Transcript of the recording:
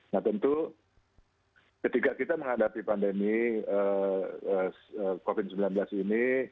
nah tentu ketika kita menghadapi pandemi covid sembilan belas ini